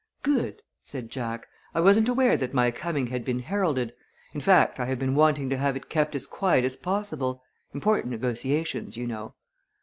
"Good!" said Jack. "I wasn't aware that my coming had been heralded in fact, I have been wanting to have it kept as quiet as possible. Important negotiations, you know."